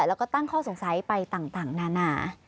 แล้วก็ตั้งข้อสงสัยไปต่างนานา